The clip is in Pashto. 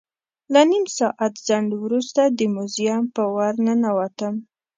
له نیم ساعت ځنډ وروسته د موزیم په ور ننوتم.